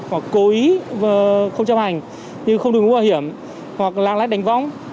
hoặc cố ý không chấp hành nhưng không đừng bảo hiểm hoặc lang lách đánh võng